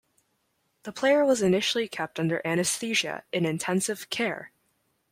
The player was initially kept under anaesthesia in intensive care.